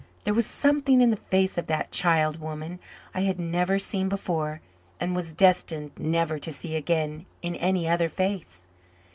There was something in the face of that child woman I had never seen before and was destined never to see again in any other face.